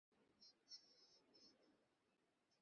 মনে করো আঞ্জলি প্রতিদিন তুমি হারতে।